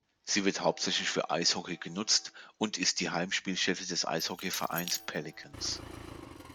Sie wird hauptsächlich für Eishockey genutzt und ist die Heimspielstätte des Eishockeyvereins Pelicans.